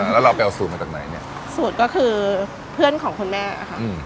แล้วเราไปเอาสูตรมาจากไหนเนี่ยสูตรก็คือเพื่อนของคุณแม่ค่ะอืม